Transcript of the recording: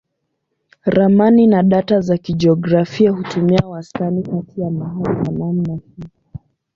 Ramani na data za kijiografia hutumia wastani kati ya mahali pa namna hiyo.